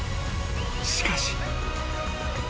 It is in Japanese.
［しかし］